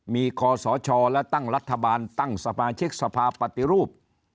มีคอสชและตั้งรัฐบาลตั้งสมาชิกสภาปฏิรูป